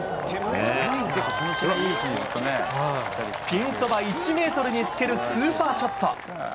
ピンそば１メートルにつけるスーパーショット。